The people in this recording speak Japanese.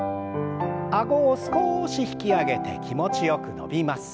あごを少し引き上げて気持ちよく伸びます。